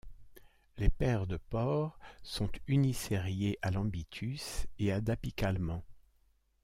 Les paires de pores sont unisériées à l'ambitus et adapicalement.